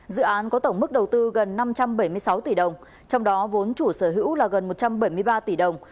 dự án có tổng mức đầu tư gần năm trăm bảy mươi sáu tỷ đồng trong đó vốn chủ sở hữu là gần một trăm bảy mươi ba tỷ đồng